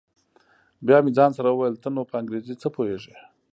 بيا مې ځان سره وويل ته نو په انګريزۍ څه پوهېږې.